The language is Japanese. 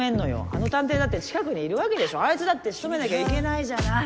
あの探偵だって近くにいるわけでしょあいつだって仕留めなきゃいけないじゃない。